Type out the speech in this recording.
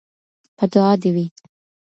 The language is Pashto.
په دعا دي وي